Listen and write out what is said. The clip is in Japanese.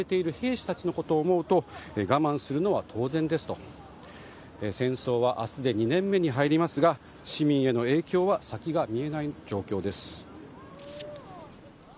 影響はあるが前線で戦ってくれている兵士たちのことを思うと我慢するのは当然ですと戦争は明日で２年目に入りますが市民への影響は先が見えない状況です。